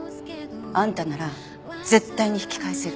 あんたなら絶対に引き返せる。